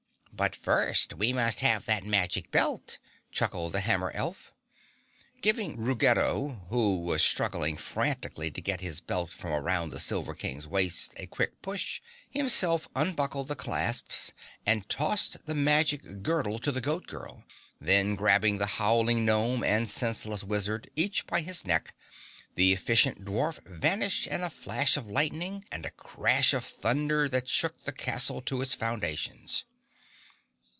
"But first we must have that magic belt," chuckled the hammer elf. Giving Ruggedo, who was struggling frantically to get his belt from around the Silver King's waist, a quick push, Himself unbuckled the clasps and tossed the magic girdle to the Goat Girl. Then grabbing the howling gnome and senseless wizard, each by his neck, the efficient dwarf vanished in a flash of lightning and a crash of thunder that shook the castle to its foundations.